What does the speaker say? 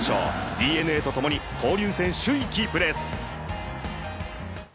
ＤｅＮＡと共に交流戦首位キープです。